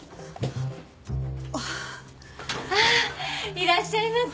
いらっしゃいませ！